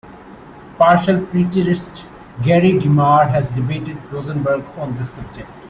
Partial preterist Gary DeMar has debated Rosenberg on this subject.